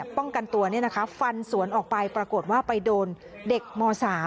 ป้องกันตัวฟันสวนออกไปปรากฏว่าไปโดนเด็กม๓